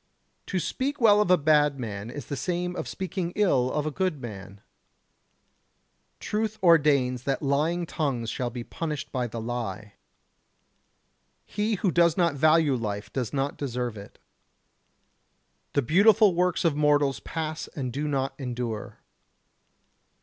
To speak well of a bad man is the same as speaking ill of a good man. Truth ordains that lying tongues shall be punished by the lie. He who does not value life does not deserve it. The beautiful works of mortals pass and do not endure.